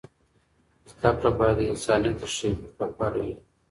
زده کړه باید د انسانیت د ښیګڼې لپاره وي.